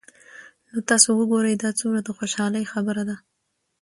نو تاسي وګورئ دا څومره د خوشحالۍ خبره ده